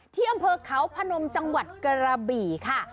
ที่อำเภอเขาพนมจังหวัดกระบี่ค่ะ